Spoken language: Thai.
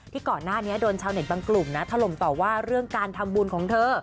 ก่อนหน้านี้โดนชาวเน็ตบางกลุ่มนะถล่มต่อว่าเรื่องการทำบุญของเธอ